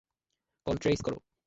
Call trace করো।